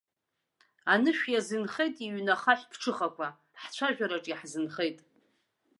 Анышә иазынхеит иҩны ахаҳә ԥҽыхақәа, ҳцәажәараҿ иаҳзынхеит.